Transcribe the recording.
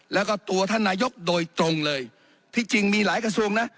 แล้วก็ตัวท่านนายกโดยตรงเลยที่จริงมีหลายกระทรวงนะ